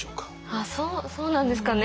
あそうそうなんですかね。